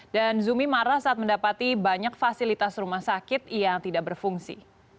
dan zumi marah saat mendapati banyak fasilitas rumah sakit yang tidak berfungsi